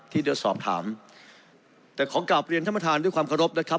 ที่จะสอบถามแต่ขอกลับเรียนท่านประธานด้วยความเคารพนะครับ